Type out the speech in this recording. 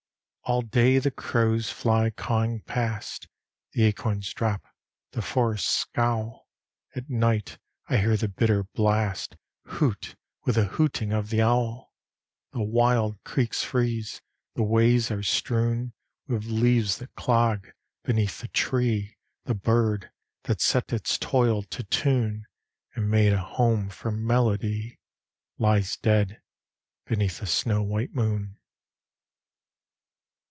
All day the crows fly cawing past: The acorns drop: the forests scowl: At night I hear the bitter blast Hoot with the hooting of the owl. The wild creeks freeze: the ways are strewn With leaves that clog: beneath the tree The bird, that set its toil to tune, And made a home for melody, Lies dead beneath the snow white moon.